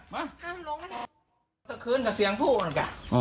เมื่อเมื่อวันต่อคืนก็เสียงภูเหมือนกัน